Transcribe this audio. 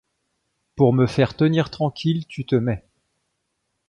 Pour me faire tenir tranquille, tu te mets